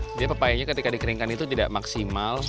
jadi pepayanya ketika dikeringkan itu tidak maksimal